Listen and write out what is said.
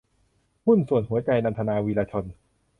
หุ้นส่วนหัวใจ - นันทนา วีระชน